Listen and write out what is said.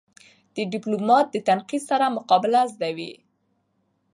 د ډيپلومات د تنقید سره مقابله زده وي.